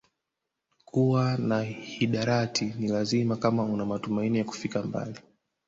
Kuwa na hidarati ni lazima kama una matumaini ya kufika mbali